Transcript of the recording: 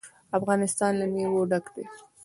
افغانستان له مېوې ډک دی.